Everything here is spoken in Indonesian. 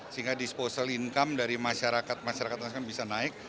sehingga disposal income dari masyarakat masyarakat bisa naik